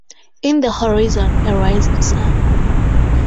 In the horizon a rising sun.